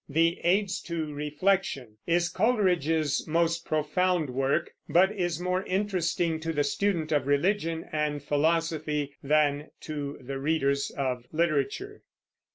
The Aids to Reflection is Coleridge's most profound work, but is more interesting to the student of religion and philosophy than to the readers of literature.